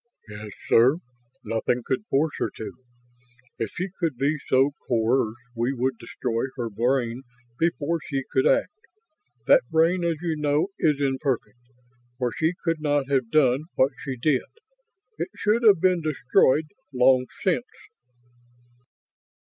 "Yes, sir. Nothing could force her to. If she could be so coerced we would destroy her brain before she could act. That brain, as you know, is imperfect, or she could not have done what she did. It should have been destroyed long since."